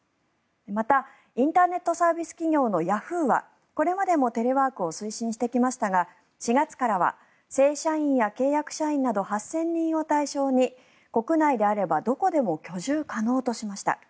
また、インターネットサービス企業のヤフーはこれまでもテレワークを推進してきましたが４月からは正社員や契約社員など８０００人を対象に国内であればどこでも居住可能としました。